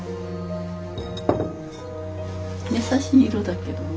優しい色だけどね。